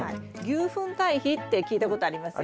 牛ふん堆肥って聞いたことあります？